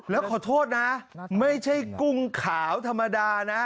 แล้วขอโทษนะไม่ใช่กุ้งขาวธรรมดานะ